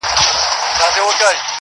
د ګوربت، باز او شاهین خبري مه کړئ!